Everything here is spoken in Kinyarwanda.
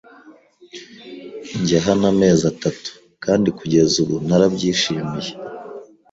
Njye hano amezi atatu, kandi kugeza ubu narabyishimiye.